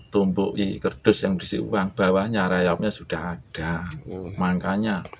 tumbuhi kerdus yang disiupang bawahnya rayapnya sudah ada makanya